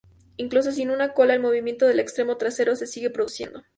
Incluso sin una cola, el movimiento del extremo trasero se sigue produciendo.